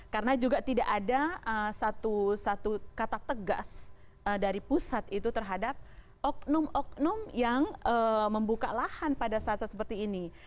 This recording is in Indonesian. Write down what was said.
karena juga tidak ada satu satu kata tegas dari pusat itu terhadap oknum oknum yang membuka lahan pada saat saat seperti ini